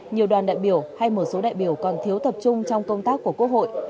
nhiều đoàn đại biểu hay một số đại biểu còn thiếu tập trung trong công tác của quốc hội